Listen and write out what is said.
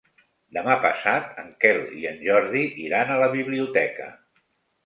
Demà passat en Quel i en Jordi iran a la biblioteca.